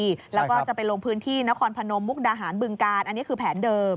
แล้วก็จะไปลงพื้นที่นครพนมมุกดาหารบึงการอันนี้คือแผนเดิม